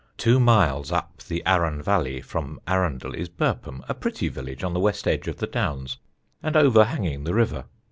"Two miles up the Arun valley from Arundel is Burpham, a pretty village on the west edge of the Downs and overhanging the river.